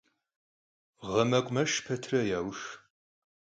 Ğe mekhumeşş petre yaux.